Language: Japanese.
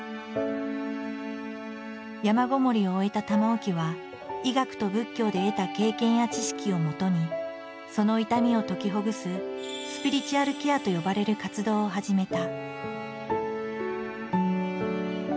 山籠もりを終えた玉置は医学と仏教で得た経験や知識をもとにその痛みを解きほぐす「スピリチュアルケア」と呼ばれる活動を始めた。